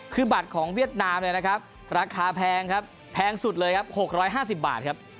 คือบัตรของเวียดนามเนี่ยนะครับราคาแพงครับแพงสุดเลยครับ๖๕๐บาทครับ